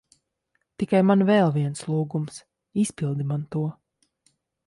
Tikai man vēl viens lūgums. Izpildi man to.